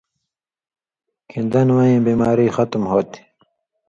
کھیں دنہۡ وَیں بیماری ختم ہوتھی۔